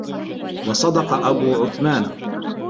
وَصَدَقَ أَبُو عُثْمَانَ